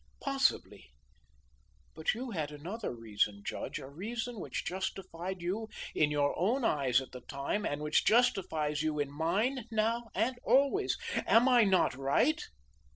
"Possibly; but you had another reason, judge; a reason which justified you in your own eyes at the time and which justifies you in mine now and always. Am I not right?